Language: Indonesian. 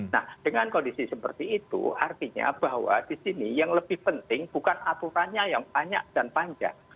nah dengan kondisi seperti itu artinya bahwa di sini yang lebih penting bukan aturannya yang banyak dan panjang